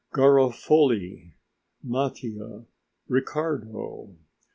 Garofoli! Mattia! Ricardo!